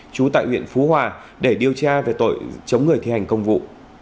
trú tại huyện phú hòa để điều tra về tội chống người thi hành công vụ